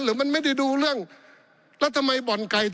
หรือมันไม่ได้ดูเรื่องแล้วทำไมบ่อนไก่